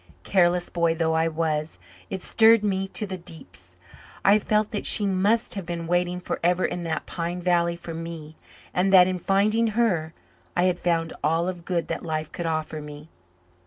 Careless boy though I was, it stirred me to the deeps. I felt that she must have been waiting forever in that pine valley for me and that, in finding her, I had found all of good that life could offer me.